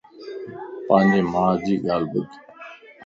پانجي مان جي ڳالھه ٻڌ